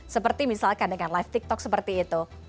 seperti misalkan dengan live tiktok seperti itu